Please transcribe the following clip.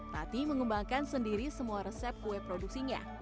tati mengembangkan sendiri semua resep kue produksinya